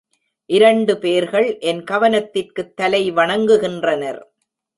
இரண்டு பேர்கள் என் கவனத்திற்குத் தலைவணங்குகின்றனர்.